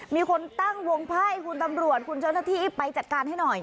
มีคนตั้งวงไพ่คุณตำรวจคุณเจ้าหน้าที่ไปจัดการให้หน่อย